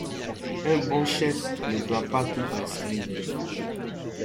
Un bon chef ne doit pas tout prescrire.